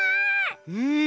うん！